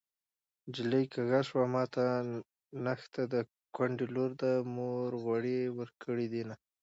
نجلۍ کږه شوه ماته نشته د کونډې لور ده مور غوړي ورکړې دينه